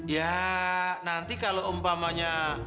ya nanti kalau umpamanya